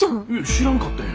知らんかったんや。